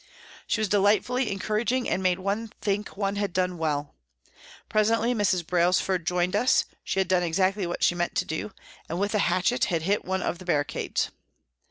She was delightfully encouraging, and made one think one had done well. Presently Mrs. Brailsford joined us, she had done exactly what she meant to do, and with a hatchet had hit one of the barricades.